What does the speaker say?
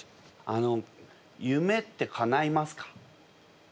あの夢ってかないますか？